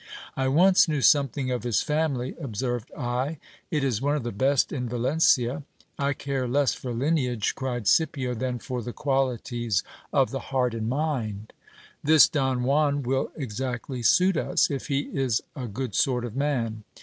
I once knew something of his ! family, observed I ; it is one of the best in Yalencia. I care less for lineage, cried Scipio, than for the qualities of the heart and mind ; this Don Juan will I exactly suit us, if he is a good sort of man.